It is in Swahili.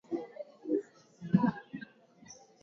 watu waliyokuwa wakatoriki walianza kuasi utawala wa uingereza